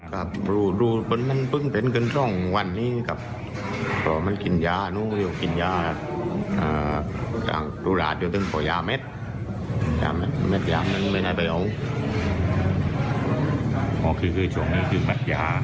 อ๋อคือคือช่วงนี้คือมัดยา